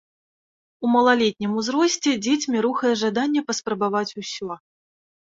У малалетнім узросце дзецьмі рухае жаданне паспрабаваць усё.